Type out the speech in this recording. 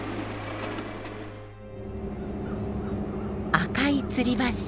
赤い吊り橋。